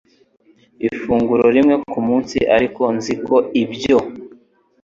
ifunguro rimwe ku munsi; ariko nziko ibyo